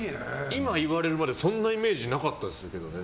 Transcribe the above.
今、言われるまでそんなイメージなかったですけど。